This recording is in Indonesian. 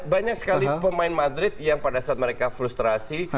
banyak sekali pemain madrid yang pada saat mereka frustrasi